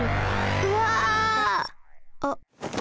うわ！あっ。